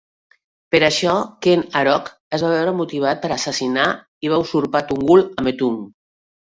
Per això, Ken Arok es va veure motivat per assassinar i va usurpar Tunggul Ametung.